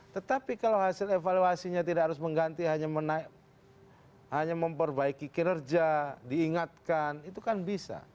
tetapi kalau hasil evaluasinya tidak harus mengganti hanya memperbaiki kinerja diingatkan itu kan bisa